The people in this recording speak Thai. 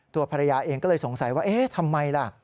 ตัวภรรยาเองก็เลยสงสัยว่าเอ๊ะทำไมล่ะ